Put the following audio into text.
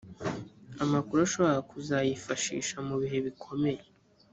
amakuru ashobora kuzayifashisha mu bihe bikomeye.